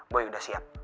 boy udah siap